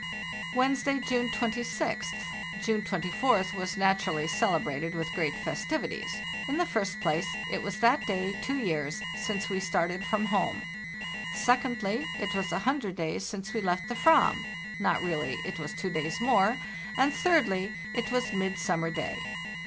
"Wednesday, June 26th. June 24th was naturally celebrated with great festivities. In the first place, it was that day two years since we started from home; second ly it was a hundred days since we left the Fram (not ' really, it was two days more); and, thirdly, it was Mid summer day.